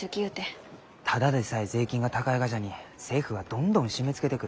ただでさえ税金が高いがじゃに政府はどんどん締めつけてくる。